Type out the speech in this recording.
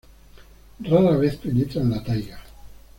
Rara vez penetra en la taiga.